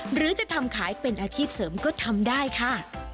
หรือจะทำขายเป็นอาชีพเสริมก็ทำได้ค่ะ